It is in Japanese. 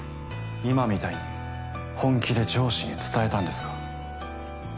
今みたいに本気で上司に伝えたんですか？